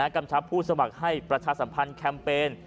กำชับผู้สมัครให้ประชาสัมพันธ์แคมเปญ